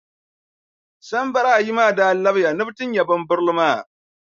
Sambara ayi maa daa labiya ni bɛ ti nya bimbirili maa.